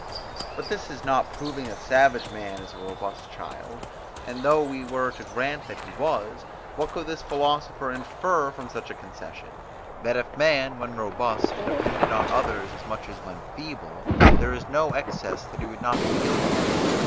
But this is not proving that savage man is a robust child; and though we were to grant that he was, what could this philosopher infer from such a concession? That if this man, when robust, depended on others as much as when feeble, there is no excess that he would not be guilty of.